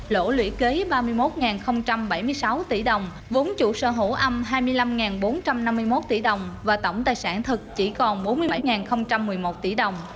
lỗ lũy kế ba mươi một bảy mươi sáu tỷ đồng vốn chủ sở hữu âm hai mươi năm bốn trăm năm mươi một tỷ đồng và tổng tài sản thật chỉ còn bốn mươi bảy một mươi một tỷ đồng